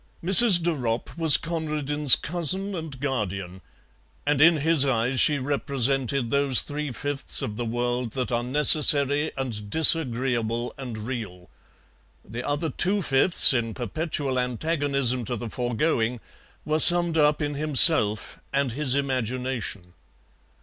Mrs. De Ropp was Conradin's cousin and guardian, and in his eyes she represented those three fifths of the world that are necessary and disagreeable and real; the other two fifths, in perpetual antagonism to the foregoing, were summed up in himself and his imagination.